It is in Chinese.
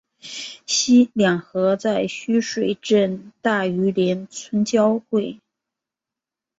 两河在须水镇大榆林村交汇。